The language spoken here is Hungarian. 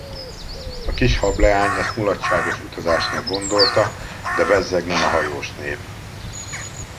A kis hableány ezt mulatságos utazásnak gondolta, de bezzeg nem a hajósnép!